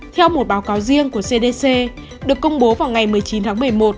theo một báo cáo riêng của cdc được công bố vào ngày một mươi chín tháng một mươi một